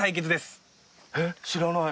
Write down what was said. えっ知らない。